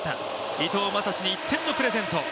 伊藤将司に１点のプレゼント。